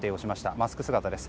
マスク姿です。